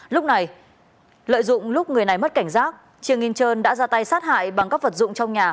lúc này lợi dụng lúc người này mất cảnh giác trương minh trơn đã ra tay sát hại bằng các vật dụng trong nhà